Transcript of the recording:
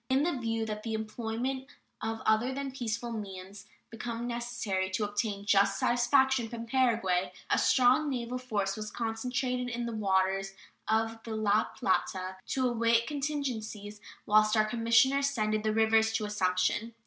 In the view that the employment of other than peaceful means might become necessary to obtain "just satisfaction" from Paraguay, a strong naval force was concentrated in the waters of the La Plata to await contingencies whilst our commissioner ascended the rivers to Assumption.